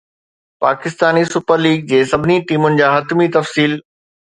Pakistan super league جي سڀني ٽيمن جا حتمي تفصيل